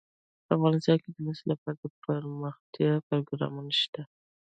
افغانستان کې د مس لپاره دپرمختیا پروګرامونه شته.